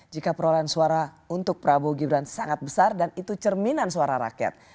jika perolehan suara untuk prabowo gibran sangat besar dan itu cerminan suara rakyat